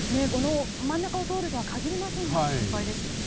真ん中を通るとは限りませんけれども心配ですね。